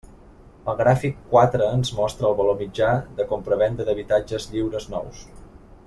El gràfic quatre ens mostra el valor mitjà de compravenda d'habitatges lliures nous.